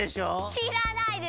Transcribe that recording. しらないです。